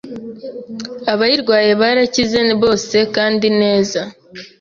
abayirwaye barakize bose kandi neza